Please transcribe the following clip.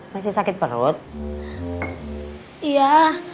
masih sakit perut iya